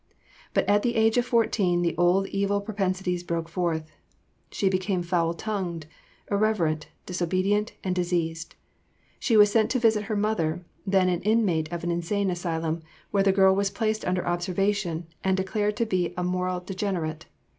But at the age of fourteen the old evil propensities broke forth. She became foul tongued, irreverent, disobedient, and diseased. She was sent to visit her mother, then an inmate of an insane asylum, where the girl was placed under observation and declared to be a moral degenerate.